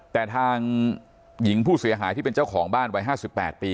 แต่ทางหญิงผู้เสียหายที่เป็นเจ้าของบ้านวัย๕๘ปี